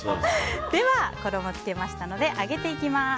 では衣をつけましたので揚げていきます。